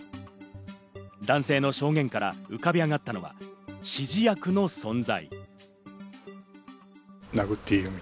男性の証言から浮かび上がったのは指示役の存在。